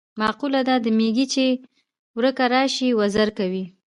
مقوله ده: د میږي چې ورکه راشي وزر کوي.